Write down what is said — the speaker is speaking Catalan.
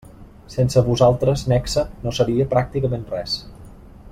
Sense vosaltres Nexe no seria pràcticament res.